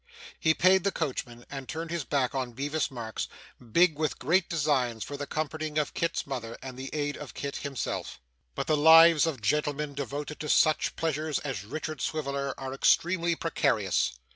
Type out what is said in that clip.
He paid the coachman, and turned his back on Bevis Marks, big with great designs for the comforting of Kit's mother and the aid of Kit himself. But the lives of gentlemen devoted to such pleasures as Richard Swiveller, are extremely precarious.